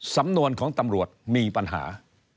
สำนวนของตำรวจมีปัญหา